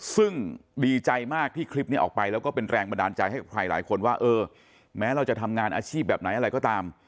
ซึ่งดีใจมากที่คลิปนี้ออกไปแล้วก็เป็นแรงบันดาลใจให้กับใครหลายคนว่าเออแม้เราจะทำงานอาชีพแบบไหนอะไรก็ตาม